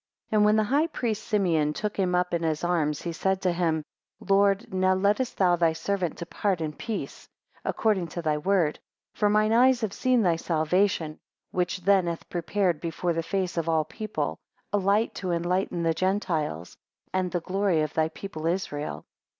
3 And when the high priest Simeon took him up in his arms, he said to him, Lord, now lettest thou thy servant depart in peace, according to thy word; for mine eyes have seen thy salvation, which then halt prepared before the face of all people; a light to enlighten the Gentiles, and the glory of thy people Israel.